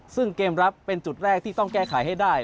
ซึ่งเกมรับเป็นจุดแรกที่ต้องแก้ไขให้ได้